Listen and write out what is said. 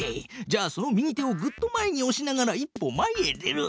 じゃあその右手をぐっと前におしながら一歩前へ出る。